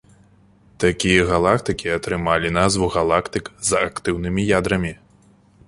Такія галактыкі атрымалі назву галактык з актыўнымі ядрамі.